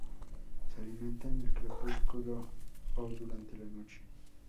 Se alimenta en el crepúsculo o durante la noche.